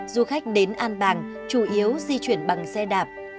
du khách đến an bàng chủ yếu di chuyển bằng xe đạp